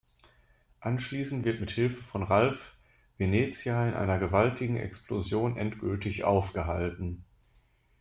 Anschließend wird mit Hilfe von Ralph Venetia in einer gewaltigen Explosion endgültig aufgehalten.